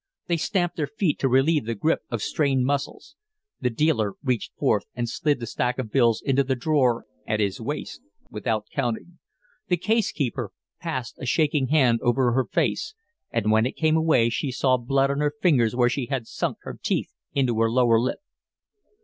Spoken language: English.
They stamped their feet to relieve the grip of strained muscles. The dealer reached forth and slid the stack of bills into the drawer at his waist without counting. The case keeper passed a shaking hand over her face, and when it came away she saw blood on her fingers where she had sunk her teeth into her lower lip.